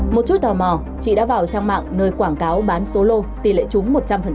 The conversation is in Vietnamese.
một chút tò mò chị đã vào trang mạng nơi quảng cáo bán số lô tỷ lệ chúng một trăm linh